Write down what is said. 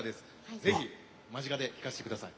ぜひ間近で聴かせてください。